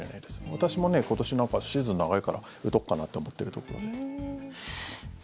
私も今年なんかシーズン長いから打とうかなと思ってるところです。